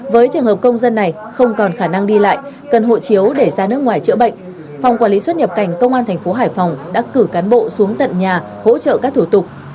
với trường hợp công dân này không còn khả năng đi lại cần hộ chiếu để ra nước ngoài chữa bệnh phòng quản lý xuất nhập cảnh công an thành phố hải phòng đã cử cán bộ xuống tận nhà hỗ trợ các thủ tục